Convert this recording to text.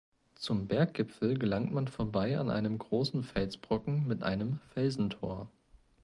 Zum Berggipfel gelangt man vorbei an einem großen Felsbrocken mit einem „Felsentor“.